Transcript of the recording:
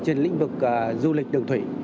trên lĩnh vực du lịch đường thủy